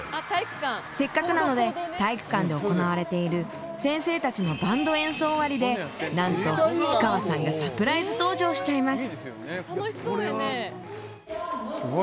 せっかくなので体育館で行われている先生たちのバンド演奏終わりでなんと氷川さんがサプライズ登場しちゃいます。